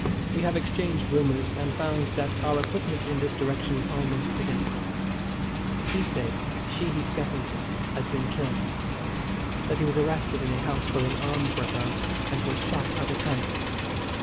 We have exchanged rumours, and found that our equipment in this direction is almost identical. He says Sheehy Skeffington has been killed. That he was arrested in a house wherein arms were found, and was shot out of hand.